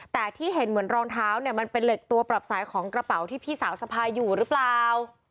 แต่ที่เห็นเหมือนรองเท้าเนี่ยมันเป็นเหล็กตัวปรับสายของกระเป๋าที่พี่สาวสะพายอยู่หรือเปล่า